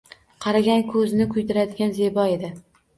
Qaragan ko`zni kuydiradigan zebo edi